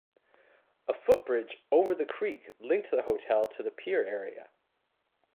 A footbridge over the creek linked the hotel to the pier area.